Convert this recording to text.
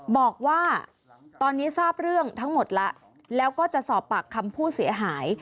บอกว่าตอนนี้ทราบเรื่องทั้งหมดแล้วแล้วก็จะสอบปากคำผู้เสียหาย